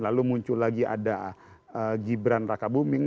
lalu muncul lagi ada gibran raka buming